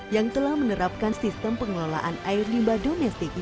yang telah menerapkan sistem pengelolaan air limba domestik